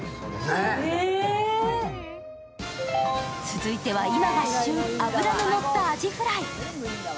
続いては今が旬、脂がのったアジフライ。